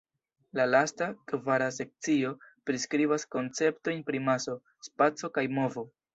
La lasta, kvara sekcio priskribas konceptojn pri maso, spaco kaj movo.